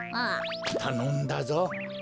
たのんだぞ。